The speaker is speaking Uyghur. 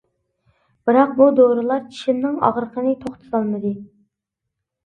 بىراق بۇ دورىلار چىشىمنىڭ ئاغرىقىنى توختىتالمىدى.